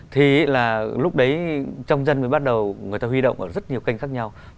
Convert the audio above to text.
thì là lúc đấy trong dân mới bắt đầu người ta huy động ở rất nhiều kênh khác nhau